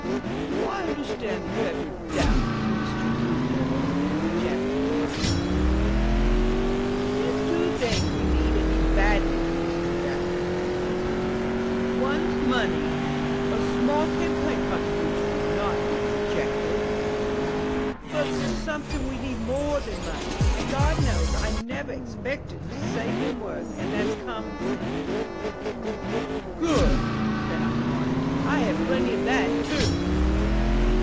"Do I understand that you have your doubts, Mr. Doolittle?" Jaffry inquired mildly. "There's two things we need and need badly, Mr. Jaffry," said Doolittle. "One's money " "A small campaign contribution would not be rejected?" "But there's something we need more than money and God knows I never expected to say them words and that's common sense." "Good," said Uncle Martin, "I have plenty of that, too!"